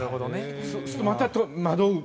そうするとまた迷う。